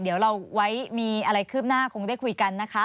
เดี๋ยวเราไว้มีอะไรคืบหน้าคงได้คุยกันนะคะ